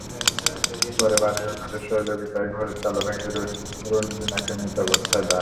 পরে বাড়ির অন্যদের সহযোগিতায় ঘরের তালা ভেঙে রোনজিনাকে মৃত অবস্থায় পান।